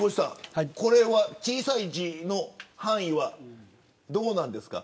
小さい字の範囲はどうなんですか。